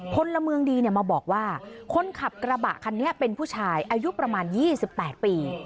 พลเมืองดีมาบอกว่าคนขับกระบะคันนี้เป็นผู้ชายอายุประมาณ๒๘ปี